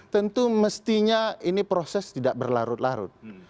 tentu mestinya ini proses tidak berlarut larut